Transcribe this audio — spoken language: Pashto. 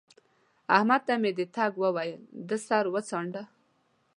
احمد ته مې د تګ وويل؛ ده سر وڅانډه